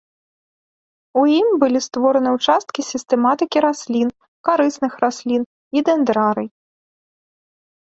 У ім былі створаны ўчасткі сістэматыкі раслін, карысных раслін і дэндрарый.